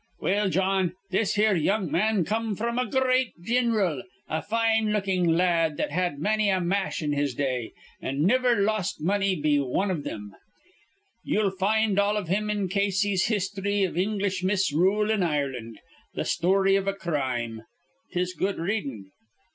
Well, Jawn, this here young man come fr'm a gr eat gin'ral, a fine lookin' la ad that had manny a mash in his day, an' niver lost money be wan iv thim. Ye'll find all about him in Casey's 'Histhry iv English Misrule in Ireland: Th' Story iv a Crime.' 'Tis good readin'.